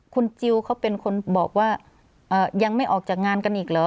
คุณจิลเขาเป็นคนบอกว่ายังไม่ออกจากงานกันอีกเหรอ